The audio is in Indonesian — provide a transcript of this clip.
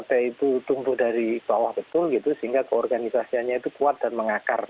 dan di sana juga ada yang partai itu tumbuh dari bawah betul gitu sehingga keorganisasianya itu kuat dan mengakar